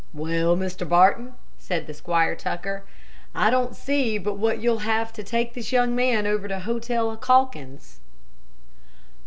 "Well, Mr. Barton," said Squire Tucker, "I don't see but what you'll have to take this young man over to Hotel Calkins."